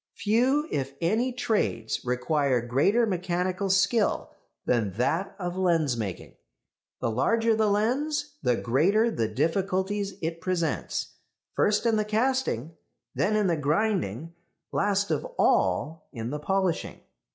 Few, if any, trades require greater mechanical skill than that of lensmaking; the larger the lens the greater the difficulties it presents, first in the casting, then in the grinding, last of all in the polishing.